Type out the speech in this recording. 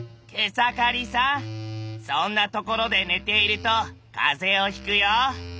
草刈さんそんなところで寝ていると風邪をひくよ。